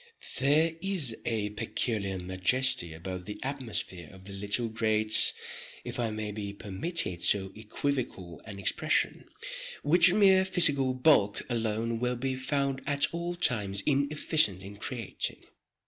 There is a peculiar majesty about the atmosphere of the little great—if I may be permitted so equivocal an expression—which mere physical bulk alone will be found at all times inefficient in creating.